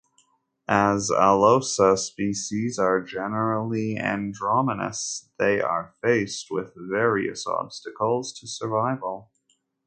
As "Alosa" species are generally anadromous, they are faced with various obstacles to survival.